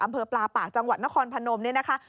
อำเภอปลาปากจังหวัดนครพนมเนี่ยนะคะ